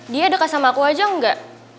dia dekat sama aku aja enggak